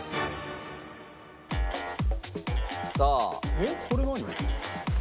えっこれ何？